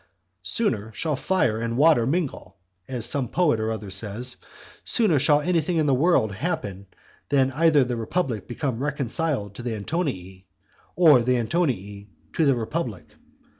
"Sooner shall fire and water mingle" as some poet or other says; sooner shall anything in the world happen than either the republic become reconciled to the Antonii, or the Antonii to the republic.